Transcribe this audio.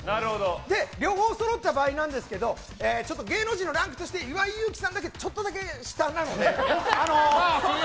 両方そろった場合なんですけど芸能人のランクとして岩井勇気さんだけちょっとだけ下なので。